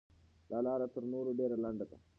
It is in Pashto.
دا لاره تر نورو ډېره لنډه ده.